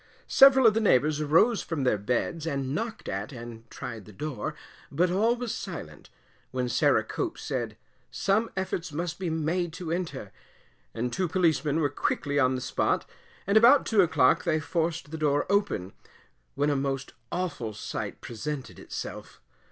Several of the neighbours arose from their beds and knocked at, and tried the door, but all was silent, when Sarah Cope said, some efforts must be made to enter, and two Policemen were quickly on the spot, and about 2 o'clock they forced the door open, when a most awful sight presented itself.